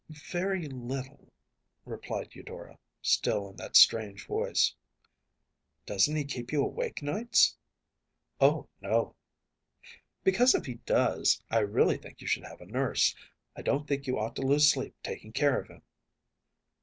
‚ÄĚ “Very little,‚ÄĚ replied Eudora, still in that strange voice. “Doesn’t keep you awake nights?‚ÄĚ “Oh no.‚ÄĚ “Because if he does, I really think you should have a nurse. I don’t think you ought to lose sleep taking care of him.